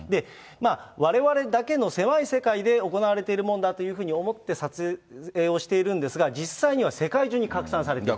われわれだけの狭い世界で行われるものだと思って撮影をしているんですが、実際には世界中に拡散されていた。